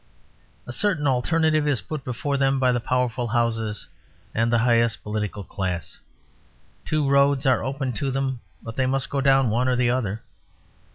A certain alternative is put before them by the powerful houses and the highest political class. Two roads are opened to them; but they must go down one or the other.